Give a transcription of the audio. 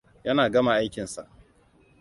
Yana gama aikinsa.